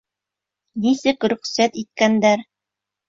Нисек рөхсәт иткәндәр?